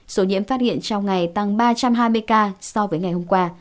số nhiễm phát hiện trong ngày tăng ba trăm hai mươi ca so với ngày hôm qua